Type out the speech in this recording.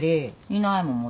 いないもん。